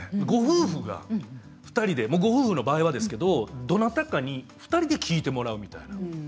ご夫婦が、２人でご夫婦の場合はですけどどなたかに２人で聞いてもらうみたいな。